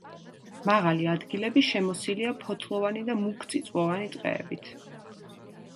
მაღალი ადგილები შემოსილია ფოთლოვანი და მუქწიწვოვანი ტყეებით.